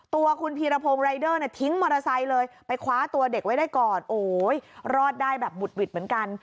ตัวคุณพีรพงศ์รายเดอร์เนี่ยทิ้งมอเตอร์ไซค์เลยไปคว้าตัวเด็กไว้ได้ก่อนโอ้โหรอดได้แบบบุดหวิดเหมือนกัน